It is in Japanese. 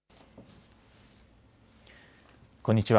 こんにちは。